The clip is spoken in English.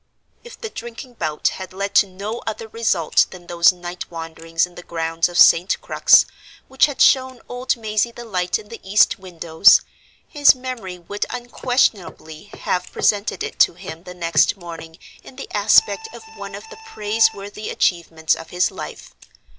If the drinking bout had led to no other result than those night wanderings in the grounds of St. Crux, which had shown old Mazey the light in the east windows, his memory would unquestionably have presented it to him the next morning in the aspect of one of the praiseworthy achievements of his life.